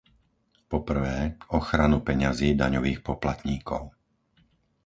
po prvé, ochranu peňazí daňových poplatníkov;